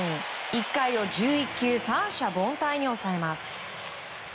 １回を１１球三者凡退に抑えます。